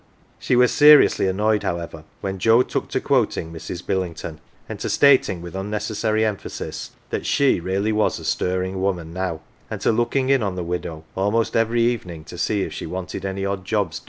11 She was seriously annoyed, however, when Joe took to quoting Mrs. Billington, and to stating with un necessary emphasis that isJie really was a stirring woman now, and to " looking in " on the widow almost even evening to see if she wanted any odd jobs.